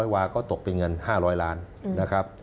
๒๕๐๐วาลละก็ตกเป็นเงิน๕๐๐ล้านนะครับ